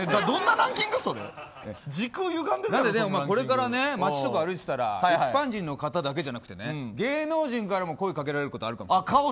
これから街とか歩いてたら一般人の方だけじゃなくて芸能人の方からも声をかけられることあるかも。